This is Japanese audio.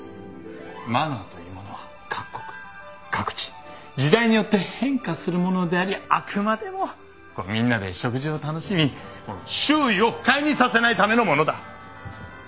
マナーというものは各国各地時代によって変化するものでありあくまでもみんなで食事を楽しみ周囲を不快にさせないためのものだ。